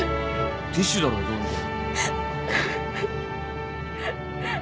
ティッシュだろうよどう見ても。